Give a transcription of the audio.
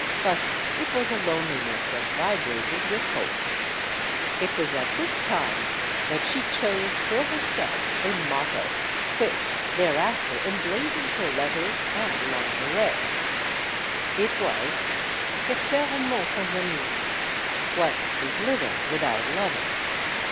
But it was a loneliness that vibrated with hope. It was at this time that she chose for herself a motto, which there after emblazoned her letters and lingerie. It was, "Que Faire Au Monde Sans ' Aimer ?" ("What is living without loving?")